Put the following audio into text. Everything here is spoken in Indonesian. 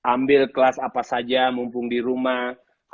ambil kelas apa saja mumpung di rumah